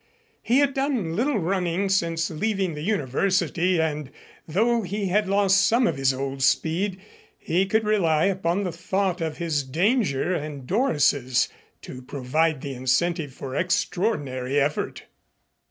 He had done little running since leaving the University, and though he had lost some of his old speed, he could rely upon the thought of his danger and Doris's to provide the incentive for extraordinary effort.